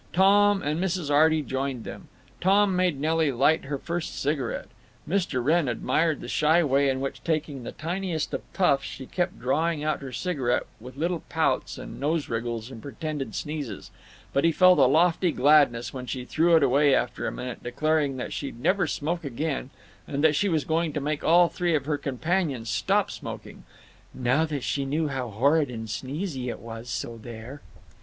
Tom and Mrs. Arty joined them. Tom made Nelly light her first cigarette. Mr. Wrenn admired the shy way in which, taking the tiniest of puffs, she kept drawing out her cigarette with little pouts and nose wriggles and pretended sneezes, but he felt a lofty gladness when she threw it away after a minute, declaring that she'd never smoke again, and that she was going to make all three of her companions stop smoking, "now that she knew how horrid and sneezy it was, so there!"